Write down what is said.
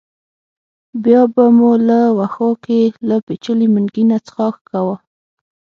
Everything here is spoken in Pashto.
بیا به مو له وښو کې له پېچلي منګي نه څښاک کاوه.